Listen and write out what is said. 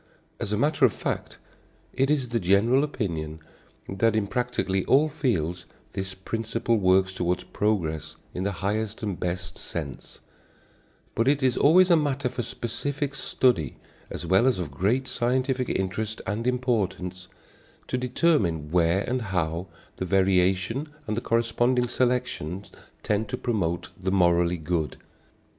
As a matter of fact, it is the general opinion that in practically all fields this principle works toward progress in the highest and best sense; but it is always a matter for specific study as well as of great scientific interest and importance, to determine where and how the variation and the corresponding selection tend to promote the morally good.